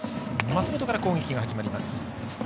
松本から攻撃が始まります。